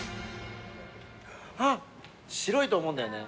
あっ白いと思うんだよね。